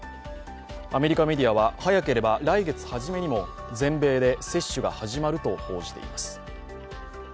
アメリカメディアは早けらば来月初めにも全米で接種が始まると報じています。